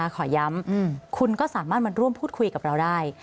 ขอย้ำคุณก็สามารถมาร่วมพูดคุยกับเราได้